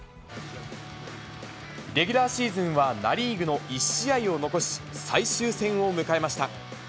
レギュラーシーズンはナ・リーグの１試合を残し、最終戦を迎えました。